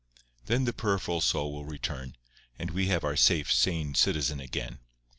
Then the peripheral soul will return; and we have our safe, sane citizen again.